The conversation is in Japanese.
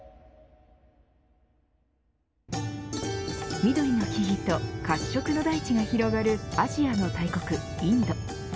緑の木々と褐色の大地が広がるアジアの大国、インド。